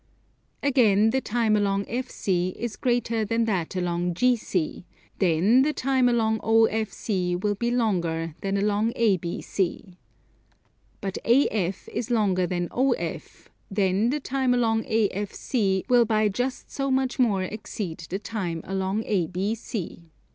Again the time along FC is greater than that along GC; then the time along OFC will be longer than that along ABC. But AF is longer than OF, then the time along AFC will by just so much more exceed the time along ABC.